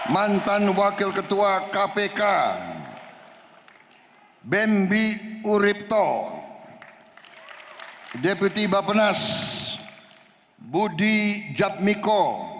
mantan wakil ketua kpk benby uripto deputi bapenas budi jabmiko